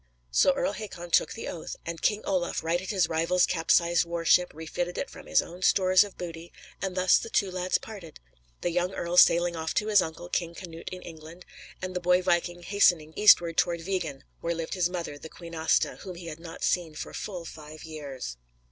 So Earl Hakon took the oath, and King Olaf righted his rival's capsized war ship, refitted it from his own stores of booty, and thus the two lads parted; the young earl sailing off to his uncle, King Canute, in England, and the boy viking hastening eastward to Vigen, where lived his mother, the Queen Aasta, whom he had not seen for full five years.